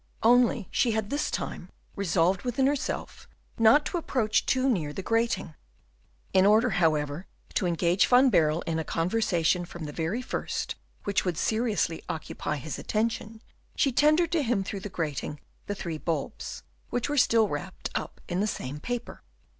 Only she had this time resolved within herself not to approach too near the grating. In order, however, to engage Van Baerle in a conversation from the very first which would seriously occupy his attention, she tendered to him through the grating the three bulbs, which were still wrapped up in the same paper.